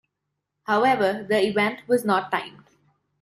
However, the event was not timed.